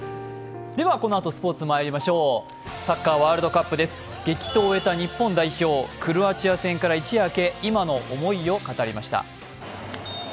ではこのあとスポーツ、まいりましょう、サッカーワールドカップです激闘を終えた日本代表、クロアチア戦から一夜明け今の思いを語りました。